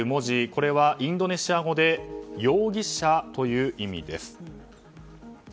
これはインドネシア語で容疑者という意味です。